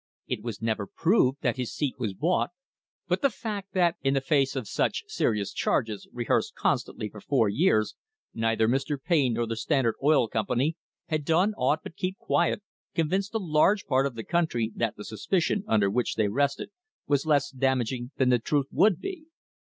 It was never proved that his seat was bought, but the fact that, in the face of such serious charges, rehearsed constantly for four years, neither Mr. Payne nor the Standard Oil Company had done aught but keep quiet, convinced a large part of the country that the suspicion under which they rested was less damaging than the truth would be.